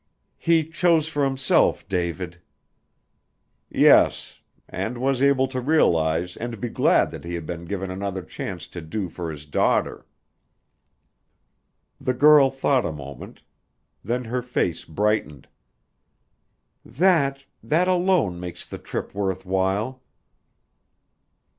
"He chose for himself, David." "Yes and was able to realize and be glad that he had been given another chance to do for his daughter." The girl thought a moment. Then her face brightened. "That that alone makes the trip worth while."